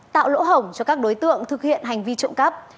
tạo lỗ hổng cho các đối tượng thực hiện hành vi trộm cắp